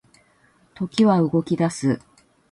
時は動き出す